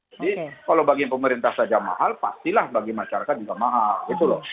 jadi kalau bagi pemerintah saja mahal pastilah bagi masyarakat juga mahal gitu loh